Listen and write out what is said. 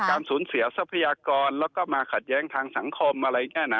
สูญเสียทรัพยากรแล้วก็มาขัดแย้งทางสังคมอะไรอย่างนี้นะ